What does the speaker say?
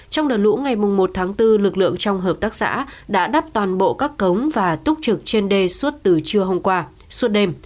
trong đợt lũ ngày một tháng bốn lực lượng trong hợp tác xã đã đắp toàn bộ các cống và túc trực trên đê suốt từ trưa hôm qua suốt đêm